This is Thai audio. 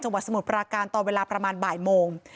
จังหวัดสมุทรปราการต่อเวลาประมาณบ่ายโมง